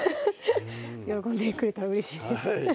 喜んでくれたらうれしいです